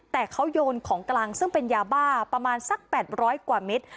แต่เขาโยนของกลางซึ่งเป็นยาบ้าประมาณสัก๘๐๐กว่าเม็ด